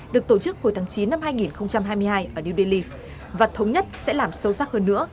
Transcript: được tổ chức hồi tháng chín năm hai nghìn hai mươi hai ở new delhi và thống nhất sẽ làm sâu sắc hơn nữa